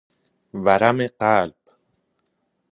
ورم قلب